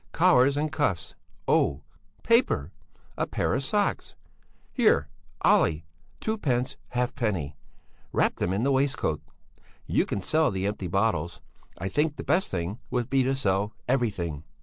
Collars and cuffs? Oh! paper! A pair of socks! Here, Olle, twopence halfpenny! Wrap them in the waistcoat! You can sell the empty bottles I think the best thing would be to sell everything."